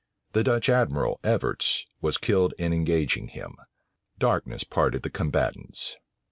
The Dutch admiral, Evertz, was killed in engaging him. Darkness parted the combatants.